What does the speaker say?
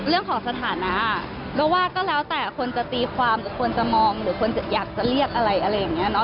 เรื่องของสถานะก็ว่าก็แล้วแต่คนจะตีความหรือควรจะมองหรือควรจะอยากจะเรียกอะไรอะไรอย่างนี้เนาะ